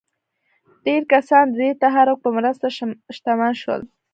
ډېر کسان د دې تحرک په مرسته شتمن شول.